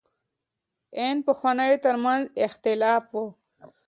ان پخوانو تر منځ اختلاف و.